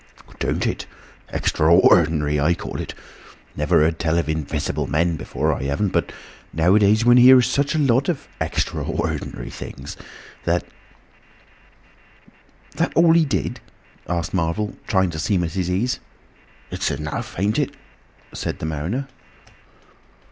"Don't it? Extra ordinary, I call it. Never heard tell of Invisible Men before, I haven't, but nowadays one hears such a lot of extra ordinary things—that—" "That all he did?" asked Marvel, trying to seem at his ease. "It's enough, ain't it?" said the mariner.